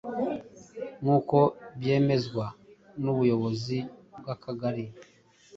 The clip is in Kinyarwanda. nk’uko byemezwa n’ubuyobozi bw’akagari,